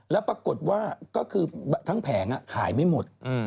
แล้วปรากฏว่าก็คือทั้งแผงขายไม่หมด